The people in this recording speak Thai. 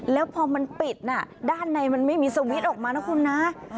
แล้วพอมันปิดน่ะด้านในมันไม่มีสวิตช์ออกมานะคุณนะ